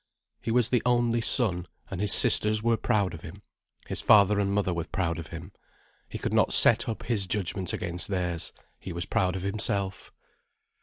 He was the only son, and his sisters were proud of him; his father and mother were proud of him: he could not set up his judgment against theirs; he was proud of himself.